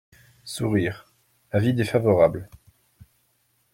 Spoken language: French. (Sourires.) Avis défavorable.